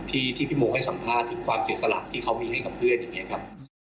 ที่พี่โมให้สัมภาพถึงความเสียสลับกับเพื่อนอย่างนี้ค่ะ